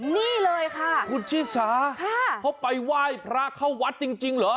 นี่เลยค่ะคุณชิสาเขาไปไหว้พระเข้าวัดจริงเหรอ